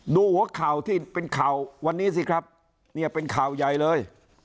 ดูหัวข่าวที่เป็นข่าววันนี้สิครับเนี่ยเป็นข่าวใหญ่เลย